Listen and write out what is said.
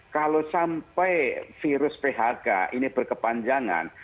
kalau sampai virus phk ini berkepanjangan